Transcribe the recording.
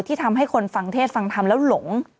ทำให้คนฟังเทศฟังธรรมแล้วหลง